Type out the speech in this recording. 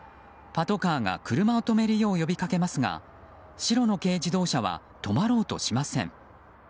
パトカーが車を止めるよう呼びかけますが白の軽自動車は止まろうとしません。